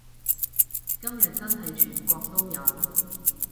今日真係全國都有